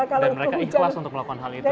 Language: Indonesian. dan mereka ikhlas untuk melakukan hal itu ya